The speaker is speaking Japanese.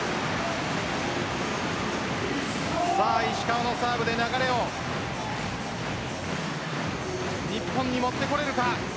石川のサーブで流れを日本にもってこれるか。